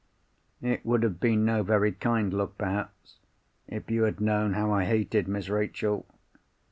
"It would have been no very kind look, perhaps, if you had known how I hated Miss Rachel.